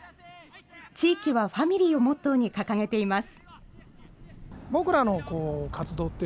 地域はファミリーをモットーに掲げています。